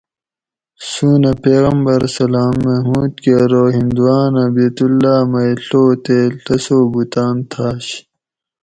سونہ پیغمبرصلعم محمود کہ ارو ھندوانہ بیت اللّٰہ مئ ڷو تے ڷہ سو بُتاۤن تھاۤش